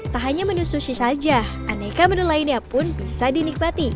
tak hanya menu sushi saja aneka menu lainnya pun bisa dinikmati